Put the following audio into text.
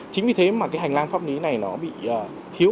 chính vì thế mà cái hành lang pháp lý này nó bị thiếu